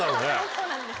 そうなんです。